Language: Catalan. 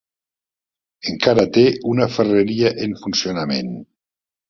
Encara té una ferreria en funcionament.